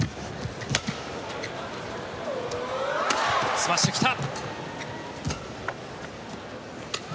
スマッシュ、来た。